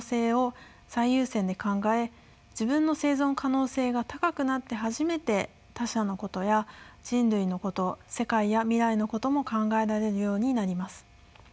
自分の生存可能性が高くなって初めて他者のことや人類のこと世界や未来のことも考えられるようになります。